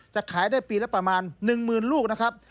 จะขายได้ปีละประมาณ๑๐๐๐ลูกนะครับ